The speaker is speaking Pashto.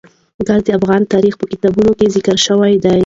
ګاز د افغان تاریخ په کتابونو کې ذکر شوی دي.